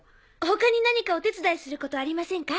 他に何かお手伝いすることありませんか？